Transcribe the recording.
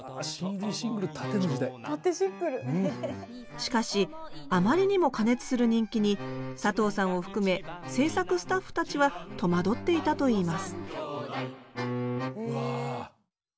しかしあまりにも過熱する人気に佐藤さんを含め制作スタッフたちは戸惑っていたといいますうわ。